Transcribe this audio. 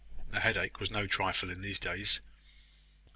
A headache was no trifle in these days.